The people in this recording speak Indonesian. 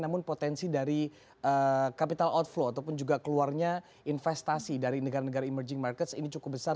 namun potensi dari capital outflow ataupun juga keluarnya investasi dari negara negara emerging markets ini cukup besar